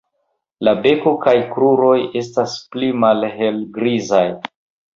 La beko kaj kruroj estas pli malhelgrizaj.